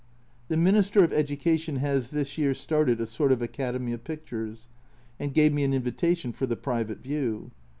The Minister of Education has this year started a sort of Academy of Pictures, and gave me an invita tion for the private view.